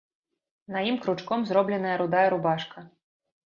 На ім кручком зробленая рудая рубашка.